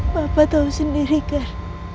bapak tau sendiri kan